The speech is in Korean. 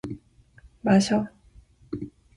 마셔!